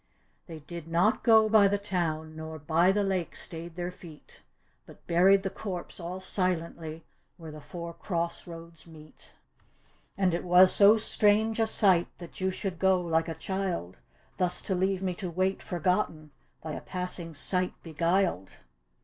"They did not go by the town. Nor by the lake stayed their feet. But buried the corpse ail silently Where the four cross roads meet" D,gt,, erihyGOOgle The Fetch " And was it so strange a sight That you should go like a child Thus to leave me to wait, forgotten, By a passing sight beguiled?"